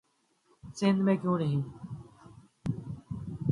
سندھ میں کیوں نہیں؟